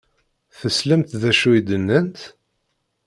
Teslamt d acu i d-nnant?